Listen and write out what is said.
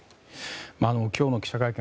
今日の記者会見